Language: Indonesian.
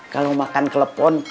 kalau makan kelepon